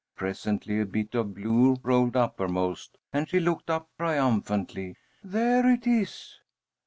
Presently a bit of blue rolled uppermost, and she looked up triumphantly. "There it is!"